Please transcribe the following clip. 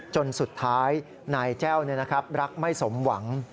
จนสุดท้ายนายแจ้วรักไม่สมหวัง